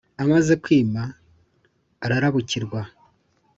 amaze kwima; ararabukirwa.